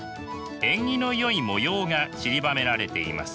縁起のよい模様がちりばめられています。